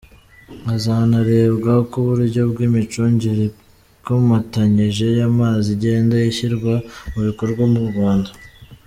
Hazanarebwa uko uburyo bw’imicungire ikomatanyije y’amazi igenda ishyirwa mu bikorwa mu Rwanda.